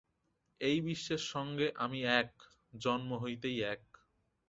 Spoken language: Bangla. এই বিশ্বের সঙ্গে আমি এক, জন্ম হইতেই এক।